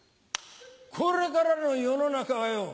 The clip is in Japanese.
これからの世の中はよ